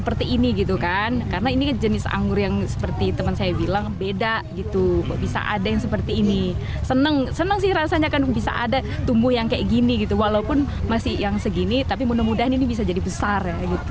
rasanya kan bisa ada tumbuh yang kayak gini walaupun masih yang segini tapi mudah mudahan ini bisa jadi besar